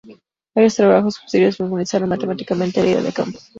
Varios trabajos posteriores formalizaron matemáticamente la idea de campo.